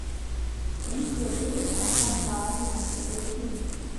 Мен силерге эч качан баарын айтып бербейм.